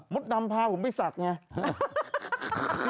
มดดำพาผมไปสักไง